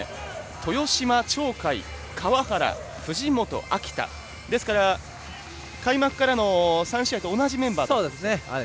豊島、鳥海、川原、藤本、秋田ですから開幕からの３試合と同じメンバー。